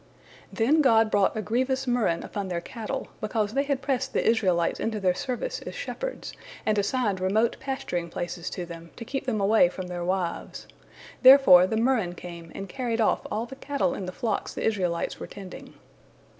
Then God brought a grievous murrain upon their cattle, because they had pressed the Israelites into their service as shepherds, and assigned remote pasturing places to them, to keep them away from their wives. Therefore the murrain came and carried off all the cattle in the flocks the Israelites were tending.